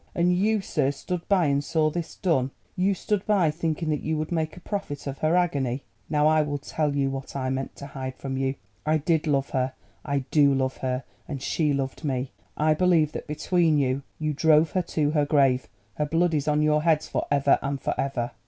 And you, sir, stood by and saw this done. You stood by thinking that you would make a profit of her agony. Now I will tell you what I meant to hide from you. I did love her. I do love her—as she loved me. I believe that between you, you drove her to her grave. Her blood be on your heads for ever and for ever!"